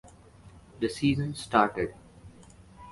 The season started.